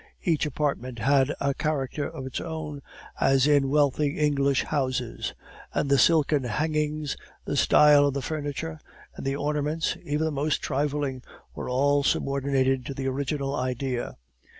Each apartment had a character of its own, as in wealthy English houses; and the silken hangings, the style of the furniture, and the ornaments, even the most trifling, were all subordinated to the original idea.